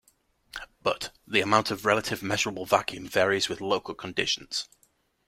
But the amount of relative measurable vacuum varies with local conditions.